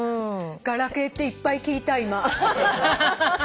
ガラケーっていっぱい聞いた今。